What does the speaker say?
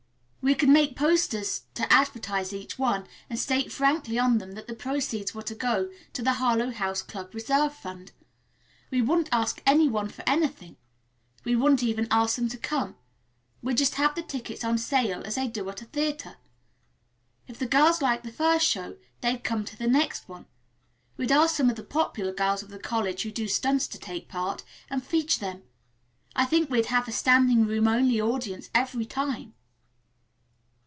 We could make posters to advertise each one and state frankly on them that the proceeds were to go to the Harlowe House Club Reserve Fund. We wouldn't ask any one for anything. We wouldn't even ask them to come. We'd just have the tickets on sale as they do at a theatre. If the girls liked the first show, they'd come to the next one. We'd ask some of the popular girls of the college who do stunts to take part, and feature them. I think we'd have a standing room only audience every time."